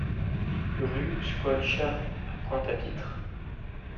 Rue Schoelcher à Pointe-à-Pitre